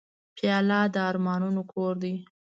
پیاله د ارمانونو کور دی.